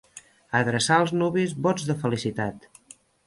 Adreçar als nuvis vots de felicitat.